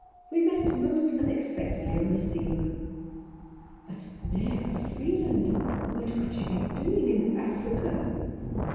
We met most unexpectedly on the steamer." "But Mary Freeland ! What could she be doing in Africa?"